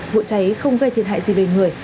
vụ cháy không gây thiệt hại gì về người